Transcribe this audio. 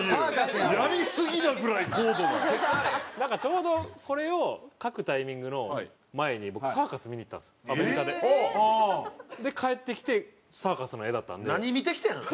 なんかちょうどこれを描くタイミングの前に僕サーカス見に行ったんですよアメリカで。で帰ってきてサーカスの絵だったんで。